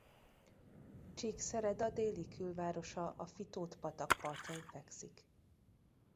Csíkszereda déli külvárosa a Fitód-patak partján fekszik.